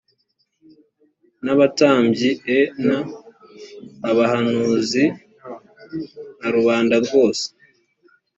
n abatambyi e n abahanuzi na rubanda rwose